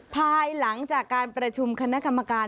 ภายหลังจากการประชุมคณะกรรมการ